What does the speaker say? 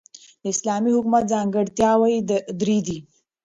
د اسلامی حکومت ځانګړتیاوي درې دي.